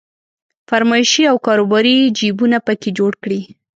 فرمایشي او کاروباري جيبونه په کې جوړ کړي.